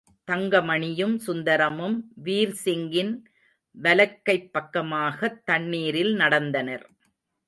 தங்கமணியும் சுந்தரமும் வீர்சிங்கின் வலக்கைப் பக்கமாகத் தண்ணீரில் நடந்தனர்.